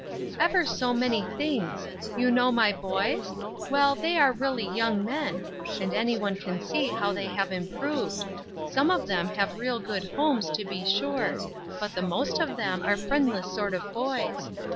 "Ever so many things; you know my boys? Well, they are really young men; and anyone can see how they have improved. Some of them have real good homes, to be sure; but the most of them are friendless sort of boys.